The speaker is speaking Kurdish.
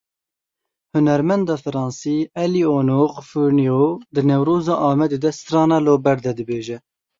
Hunermenda Fransî Eléonore Fourniau di Newroza Amedê de strana Lo Berde dibêje.